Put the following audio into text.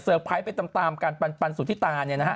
ไพรส์ไปตามกันปันสุธิตาเนี่ยนะฮะ